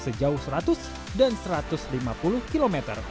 sejauh seratus dan satu ratus lima puluh km